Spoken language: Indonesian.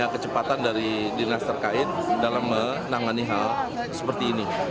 kecepatan dari dinas terkait dalam menangani hal seperti ini